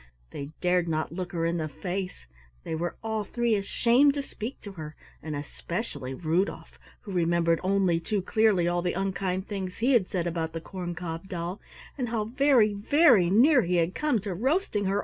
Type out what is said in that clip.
They dared not look her in the face. They were all three ashamed to speak to her, and especially Rudolf who remembered only too clearly all the unkind things he had said about the corn cob doll, and how very, very near he had come to roasting her over the nursery fire!